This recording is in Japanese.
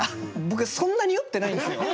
僕そんなに酔ってないんですよ。